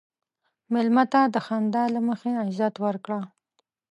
مېلمه ته د خندا له مخې عزت ورکړه.